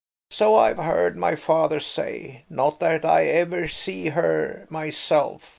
So I've heard my father say–not that I ever see her myself.